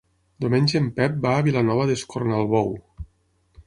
Diumenge en Pep va a Vilanova d'Escornalbou.